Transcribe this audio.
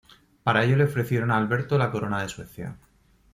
Para ello le ofrecieron a Alberto la corona de Suecia.